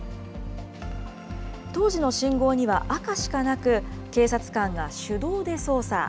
当時の信号には赤しかなく、警察官が手動で操作。